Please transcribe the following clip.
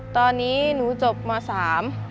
ตอนนี้หนูจบมสาม